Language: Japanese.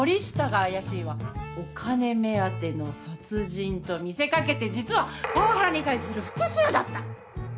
お金目当ての殺人と見せかけて実はパワハラに対する復讐だった！